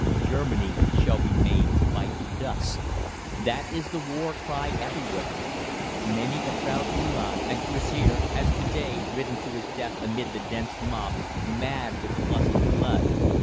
Germany shall be made to bite the dust. That is the war cry everywhere. Many a proud Uhlan and Cuirassier has to day ridden to his death amid the dense mobs, mad with the lust of blood.